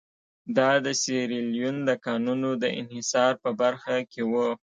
دا د سیریلیون د کانونو د انحصار په برخه کې وو.